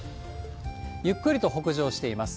ゆっくりと北上しています。